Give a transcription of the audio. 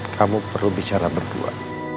kamu perlu bicara berdua